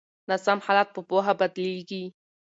ناسم حالات په پوهه بدلیږي.